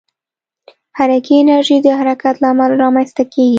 حرکي انرژي د حرکت له امله رامنځته کېږي.